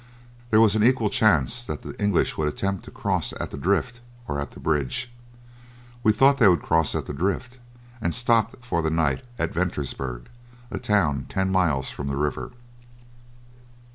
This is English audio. There was an equal chance that the English would attempt to cross at the drift or at the bridge. We thought they would cross at the drift, and stopped for the night at Ventersburg, a town ten miles from the river.